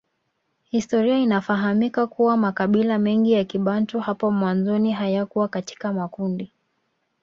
Historia inafahamika kuwa makabila mengi ya kibantu hapo mwanzoni hayakuwa katika makundi